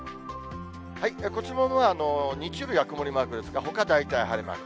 こちらも日曜日が曇りマークですが、ほか、大体晴れマーク。